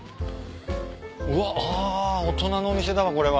うわあ大人のお店だわこれは。